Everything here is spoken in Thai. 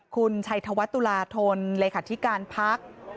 คุณชัยธวัฒน์ตุลาธนเลยค่ะที่การพัก